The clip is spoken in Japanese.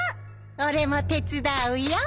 俺も手伝うよ